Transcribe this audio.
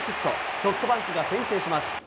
ソフトバンクが先制します。